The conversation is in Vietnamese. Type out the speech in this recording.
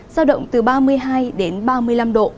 giao động từ ba mươi hai đến ba mươi năm độ